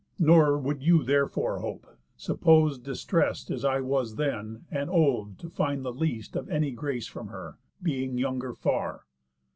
Nor would you therefore hope, suppos'd distrest As I was then, and old, to find the least Of any grace from her, being younger far.